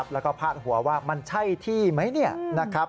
แล้วก็พลาดหัวว่ามันใช่ที่ไหม